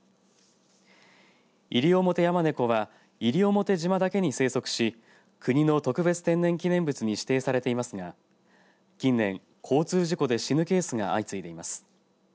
イリオモテヤマネコは西表島だけに生息し国の特別天然記念物に指定されていますが近年、交通事故で死ぬケースが相次いでいます。